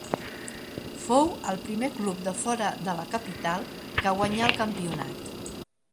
Fou el primer club de fora de la capital que guanyà el campionat.